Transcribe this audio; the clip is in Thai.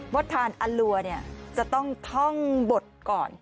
วัดทานอารัวเนี่ยเดี๋ยวต้องท่องบดก่อน